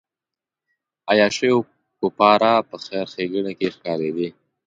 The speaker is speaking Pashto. عیاشیو کفاره په خیر ښېګڼې کې ښکاري.